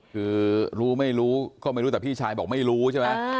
คือรู้ไม่รู้ก็ไม่รู้แต่พี่ชายบอกไม่รู้ใช่ไหม